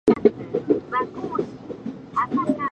The inhabitants are Moslems and Christians.